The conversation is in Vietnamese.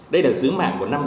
đây là sứ mạng của năm g